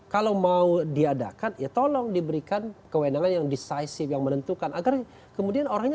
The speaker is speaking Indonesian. kalau mau diadakan ya tolong diberikan kewenangan yang decisif yang menentukan agar kemudian orangnya